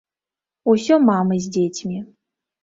Усё мамы з дзецьмі.